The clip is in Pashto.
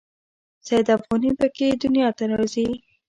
سید افغاني په کې دنیا ته راځي.